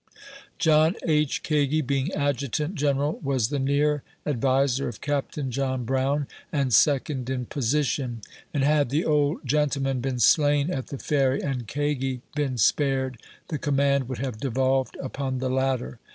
John H. Kagi being Adjutant General, was the near advi ser of Captain John Brown, and second in position ; and had the old gentleman been slain at the Ferry, and Kagi been spared, the command would have devolved upon the latter.